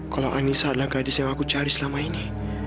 kalau anissa adalah gadis yang aku cari selama ini